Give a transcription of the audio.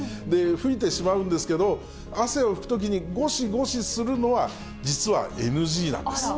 拭いてしまうんですけれども、汗を拭くときに、ごしごしするのは、実はＮＧなんです。